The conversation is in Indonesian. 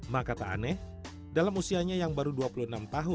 maka tak aneh dalam usianya yang baru dua puluh enam tahun